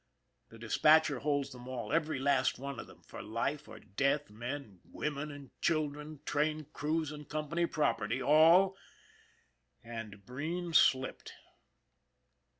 The dispatcher holds them all, every last one of them, for life or death, men, women and children, train crews and company property, all and Breen slipped